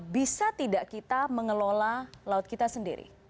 bisa tidak kita mengelola laut kita sendiri